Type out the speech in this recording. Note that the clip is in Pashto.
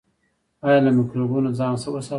ایا له مکروبونو ځان وساتم؟